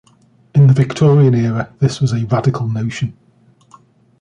In the Victorian era, this was a radical notion.